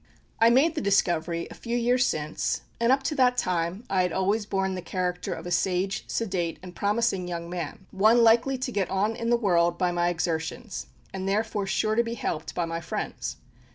I made the discovery a few years since, and up to that time I had always borne the character of a sage, sedate, and promising young man one likely to get on in the world by my exertions, and therefore sure to be helped by my friends.